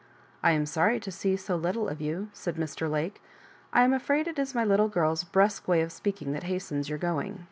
" I am sorry to see so little of you," said Mr. Lake. " I am afhiid it is my little girVs hrusquc way of speaking that hastens your going.